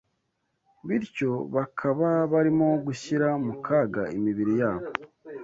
bityo bakaba barimo gushyira mu kaga imibiri yabo